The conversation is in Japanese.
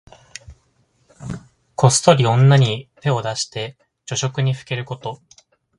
こっそり女に手を出して女色にふけること。